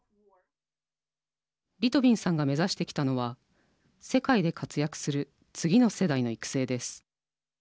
リトビンさんが目指してきたのは世界で活躍する次の世代の育成です。